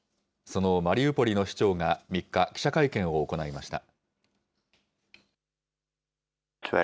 そのマリウポリの市長が３日、記者会見を行いました。